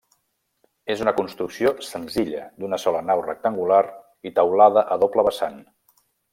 És una construcció senzilla, d'una sola nau rectangular i teulada a doble vessant.